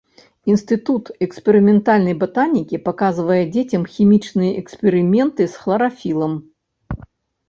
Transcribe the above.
Інстытут эксперыментальнай батанікі паказвае дзецям хімічныя эксперыменты з хларафілам.